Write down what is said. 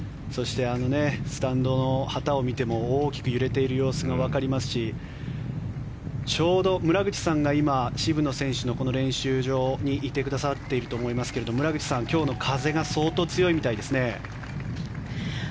そしてスタンドの旗を見ても大きく揺れている様子がわかりますしちょうど村口さんが今、渋野選手の練習場にいてくださっていると思いますが村口さん、今日の風が相当、強いみたいですね。